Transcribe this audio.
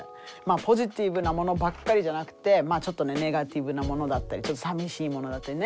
ポジティブなものばっかりじゃなくてちょっとネガティブなものだったりちょっとさみしいものだったりね